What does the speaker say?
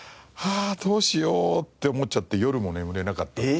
あどうしようって思っちゃって夜も眠れなかった」って。